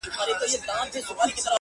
اوښکي نه راتویومه خو ژړا کړم,